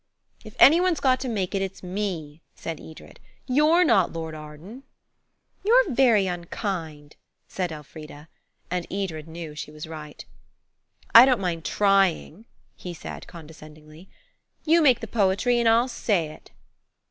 "If any one's got to make it, it's me," said Edred. "You're not Lord Arden." "You're very unkind," said Elfrida, and Edred knew she was right. "I don't mind trying," he said, condescendingly; "you make the poetry and I'll say it."